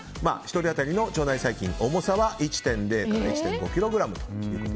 １人当たりの腸内細菌重さは１．０から１．５ｋｇ。